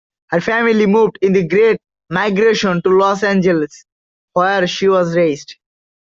Her family moved in the Great Migration to Los Angeles, where she was raised.